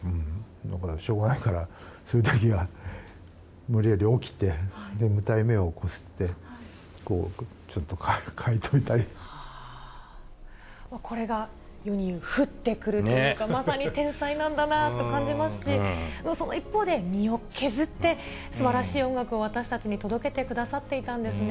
だからしょうがないから、そういうときは無理やり起きて、眠たい目をこすって、これが世にいう降ってくるというか、まさに天才なんだなと感じますし、その一方で身を削ってすばらしい音楽を私たちに届けてくださっていたんですね。